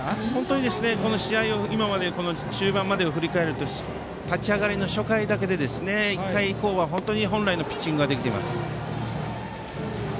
試合の中盤までを振り返ると立ち上がりの初回だけで１回以降は本来のピッチングができています。